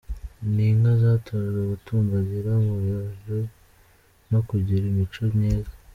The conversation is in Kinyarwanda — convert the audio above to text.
Ni inka zatojwe gutambagira mu birori no kugira imico myiza.